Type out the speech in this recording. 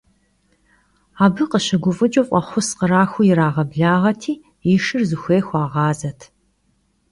Abı khışıguf'ıç'ıu, f'exhus khraxıu yirağeblağeti, yi şşır zıxuêy xuağazet.